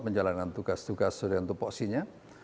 menjalankan tugas tugas sudah untuk posinya